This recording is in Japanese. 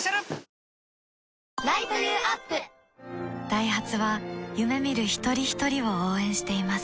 ダイハツは夢見る一人ひとりを応援しています